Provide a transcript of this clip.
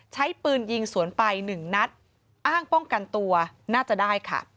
ใช้ปืนยิงสวนไปหนึ่งนัดอ้างป้องกันตัวน่าจะได้ค่ะ